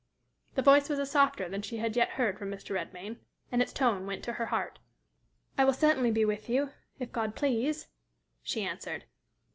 The voice was a softer than she had yet heard from Mr. Redmain, and its tone went to her heart. "I will certainly be with you, if God please," she answered.